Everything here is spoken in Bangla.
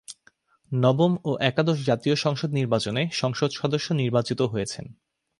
নবম ও একাদশ জাতীয় সংসদ নির্বাচনে সংসদ সদস্য নির্বাচিত হয়েছেন।